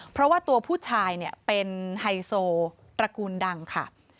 เพราะว่าตัวผู้ชายเนี่ยเป็นไฮโซตระกูลดังค่ะ